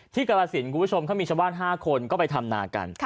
กรสินคุณผู้ชมเขามีชาวบ้าน๕คนก็ไปทำนากัน